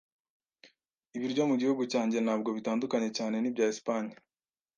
Ibiryo mu gihugu cyanjye ntabwo bitandukanye cyane nibya Espanye.